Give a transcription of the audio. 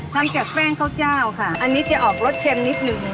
ทำจากแป้งข้าวเจ้าค่ะอันนี้จะออกรสเค็มนิดหนึ่ง